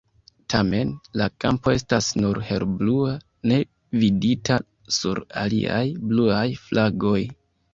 Tamen, la kampo estas nur helblua ne vidita sur aliaj bluaj flagoj.